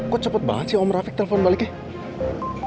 kok cepet banget sih om rafiq telepon baliknya